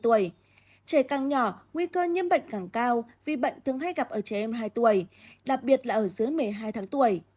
tuổi trẻ càng nhỏ nguy cơ nhiễm bệnh càng cao vì bệnh thường hay gặp ở trẻ em hai tuổi đặc biệt là ở dưới một mươi hai tháng tuổi